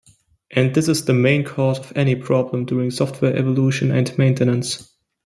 And this is the main cause of any problem during software evolution and maintenance.